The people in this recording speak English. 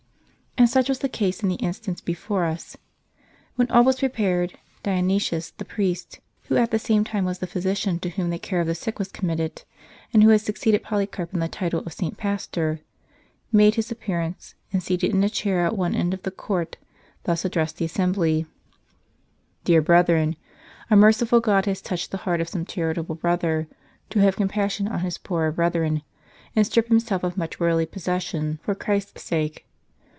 And such was the case in the instance before us. When all was prepared, Dionysius the priest, who at the same time was the physician to whom the care of the sick was commit ted, and who had succeeded Polycarp in the title of St. Pastor, made his appearance, and seated in a chair at one end of the court, thus addressed the assembly : "Dear brethren, our merciful God has touched the heart of some charitable brother, to have compassion on his poorer brethi en, and strip himself of much wordly possession, for Christ's sake.